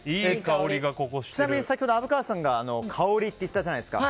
ちなみに先ほど虻川さんが香りって言ったじゃないですか。